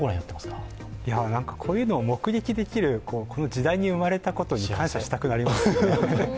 こういうのを目撃できる時代に生まれたことに感謝したくなりますね。